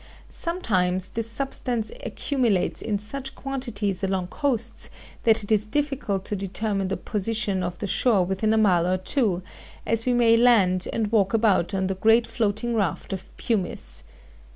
Sometimes this substance accumulates in such quantities along coasts that it is difficult to determine the position of the shore within a mile or two, as we may land and walk about on the great floating raft of pumice.